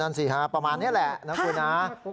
นั่นสิค่ะประมาณนี้แหละนะคุณนะ